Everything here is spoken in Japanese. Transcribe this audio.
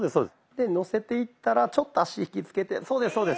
でのせていったらちょっと足引き付けてそうですそうです。